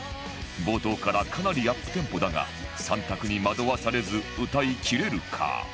冒頭からかなりアップテンポだが３択に惑わされず歌いきれるか？